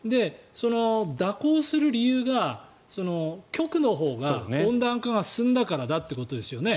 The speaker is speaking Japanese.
蛇行する理由が極のほうが温暖化が進んだからだということですよね。